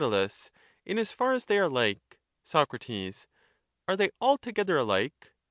In as far as they are like. Soc. Are they altogether alike?